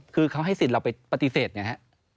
คือเขาให้สิทธิ์เราไปปฏิเสธไงฮะ